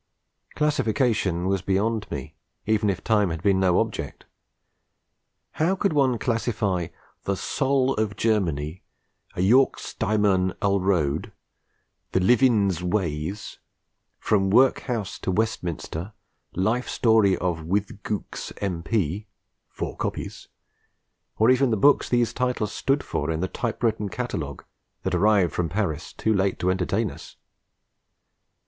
Classification was beyond me, even if time had been no object: how could one classify 'The Sol of Germany,' 'A Yorkstireman Alroad,' 'The Livinz Waze,' 'From Workhouse to Westminster: Life Story of With Gooks, M.P.' (four copies), or even the books these titles stood for in the typewritten catalogue that arrived (from Paris) too late to entertain us?